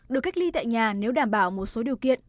được cách ly tại nhà nếu đảm bảo một số điều kiện